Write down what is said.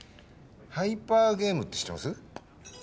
ハイパーゲームって知ってます？